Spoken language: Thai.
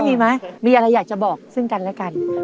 มีไหมมีอะไรอยากจะบอกซึ่งกันและกัน